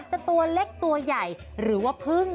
ตัวเล็กตัวใหญ่หรือว่าพึ่ง